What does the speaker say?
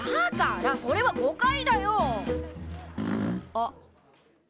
あっ。